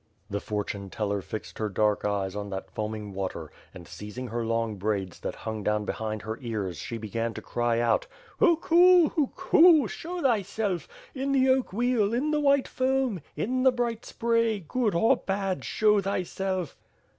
The fortune teller fixed her dark eyes on that foaming water and, seizing her long braids that hung down behind her ears, she began to cry out: "Huku! huku! Show thyself! In the oak wheel, in the white foam, in the bright spray, good, or bad, show thyself."